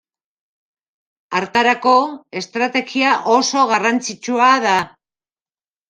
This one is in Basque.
Hartarako, estrategia oso garrantzitsua da.